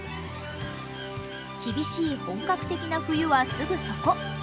厳しい本格的な冬はすぐそこ。